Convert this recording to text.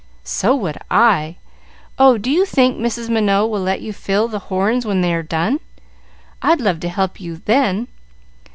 "So would I! Oh, do you think Mrs. Minot will let you fill the horns when they are done? I'd love to help you then.